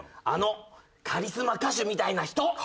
あのカリスマ歌手みたいな人。